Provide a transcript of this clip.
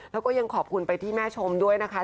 แล้วก็ยังขอบคุณไปที่แม่ชมด้วยนะคะ